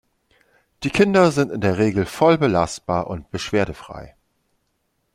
Die Kinder sind in der Regel voll belastbar und beschwerdefrei.